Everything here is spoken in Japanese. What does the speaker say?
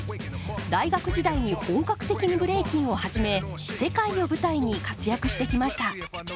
大学時代に本格的にブレイキンを始め世界を舞台に活躍してきました。